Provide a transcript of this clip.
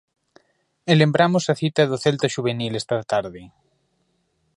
E lembramos a cita do Celta xuvenil esta tarde.